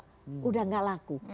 sudah tidak laku